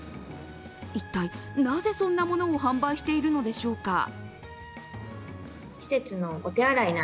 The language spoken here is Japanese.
一体なぜ、そんなものを販売しているのでしょうか。